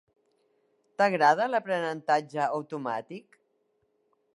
T'agrada l'aprenentatge automàtic?